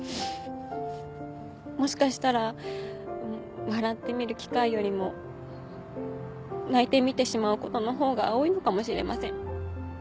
もしかしたら笑って見る機会よりも泣いて見てしまうことのほうが多いのかもしれません。